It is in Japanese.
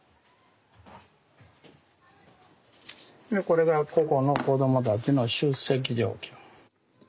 これが個々の子どもたちの出席状況。